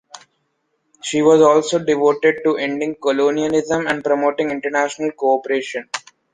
She was also devoted to ending colonialism and promoting international cooperation.